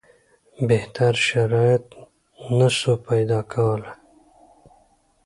بهتر شرایط نه سو پیدا کولای.